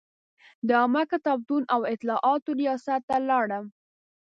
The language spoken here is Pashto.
د عامه کتابتون او اطلاعاتو ریاست ته لاړم.